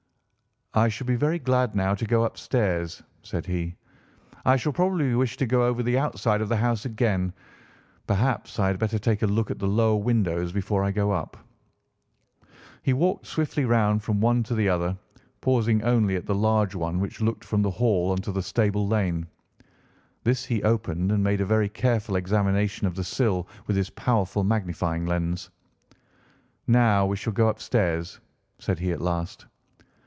"I should be very glad now to go upstairs," said he. "I shall probably wish to go over the outside of the house again. Perhaps I had better take a look at the lower windows before I go up." He walked swiftly round from one to the other, pausing only at the large one which looked from the hall onto the stable lane. This he opened and made a very careful examination of the sill with his powerful magnifying lens. "Now we shall go upstairs," said he at last.